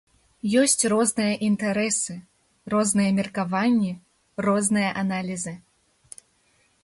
Ёсць розныя інтарэсы, розныя меркаванні, розныя аналізы.